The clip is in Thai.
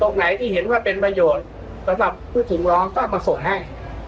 ไหนที่เห็นว่าเป็นประโยชน์สำหรับผู้สูงร้องก็เอามาส่งให้